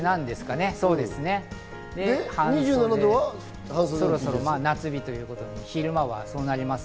そうですね、夏日ということで昼間はそうなります。